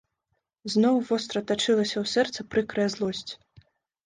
Зноў востра тачылася ў сэрца прыкрая злосць.